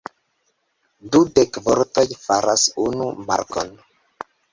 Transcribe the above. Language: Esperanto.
Dudek vortoj faras unu markon.